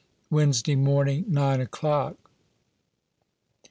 "Wednesday morninge, "9 o'clock."